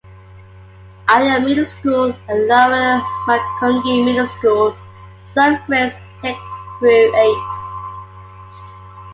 Eyer Middle School and Lower Macungie Middle School serve grades six through eight.